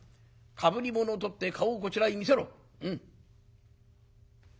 かぶり物を取って顔をこちらへ見せろ。